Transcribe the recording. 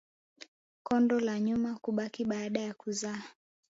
Kondo la nyuma kubaki baada ya kuzaa